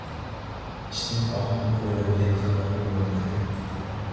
• Ishning oxirini o‘ylamagan qahramon bo‘lolmaydi.